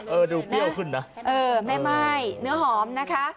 เออดูเปรี้ยวขึ้นนะเออแม่ม่ายเนื้อหอมนะคะ